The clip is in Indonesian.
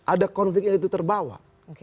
ada konflik yang itu terbawa